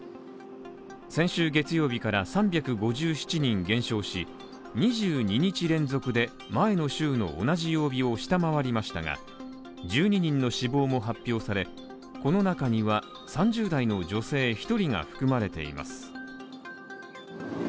先週月曜日から３５７人減少し２２日連続で前の週の同じ曜日を下回りましたが１２人の死亡も発表され、この中には３０代の女性１人が含まれています。